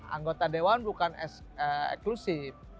anggota dewan bukan eklusif